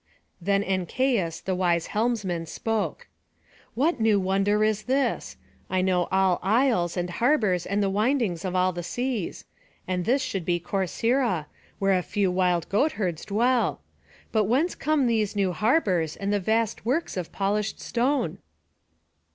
Then Ancaius, the wise helmsman, spoke: "What new wonder is this? I know all isles, and harbours, and the windings of all the seas; and this should be Corcyra, where a few wild goatherds dwell. But whence come these new harbours, and vast works of polished stone?"